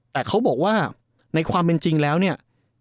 แต่เขาบอกว่าในความเป็นจริงแล้วเนี่ย